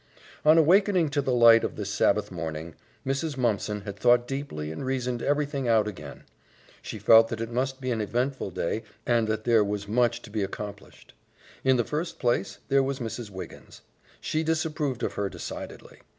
On awakening to the light of this Sabbath morning, Mrs. Mumpson had thought deeply and reasoned everything out again. She felt that it must be an eventful day and that there was much to be accomplished. In the first place there was Mrs. Wiggins. She disapproved of her decidedly.